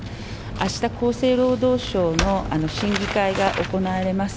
あした厚生労働省の審議会が行われます。